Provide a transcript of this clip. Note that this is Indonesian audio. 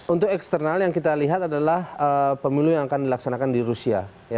untuk eksternal yang kita lihat adalah pemilu yang akan dilaksanakan di rusia